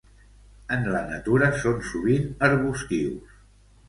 En la natura són sovint arbustius.